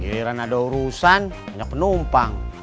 giliran ada urusan nggak penumpang